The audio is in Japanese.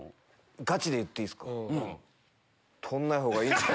ガチで言っていいですか？